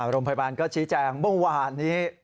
โรงพยาบาลก็ชี้แจงว่างนี้